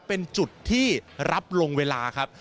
เป็นจุดที่รับลงเวลาครับ